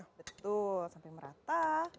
betul sampai merata